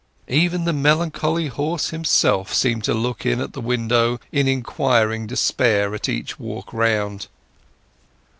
Even the melancholy horse himself seemed to look in at the window in inquiring despair at each walk round.